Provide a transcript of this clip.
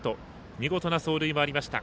見事な走塁もありました。